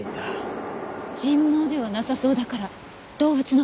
人毛ではなさそうだから動物の毛？